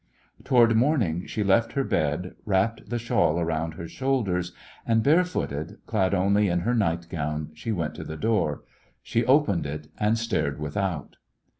Toward morning she left her bed, wrapped the shawl about her shoul ders, and barefooted, clad only in her nightgown, she went to the door. She opened it and stared without.